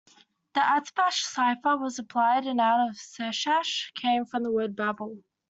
The Atbash Cipher was applied and out of Sheshach came the word Babel.